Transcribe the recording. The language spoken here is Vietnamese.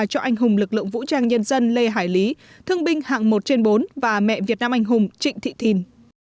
cho anh hùng lực lượng vũ trang nhân dân lê hải lý thương binh hạng một trên bốn và mẹ việt nam anh hùng trịnh thị thìn